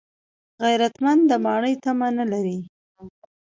غیرتمند د ماڼۍ تمه نه لري